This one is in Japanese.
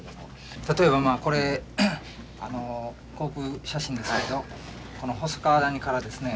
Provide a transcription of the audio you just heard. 例えばまあこれ航空写真ですけどこの細川谷からですね